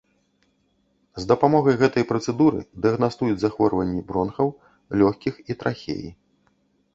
З дапамогай гэтай працэдуры дыягнастуюць захворванні бронхаў, лёгкіх і трахеі.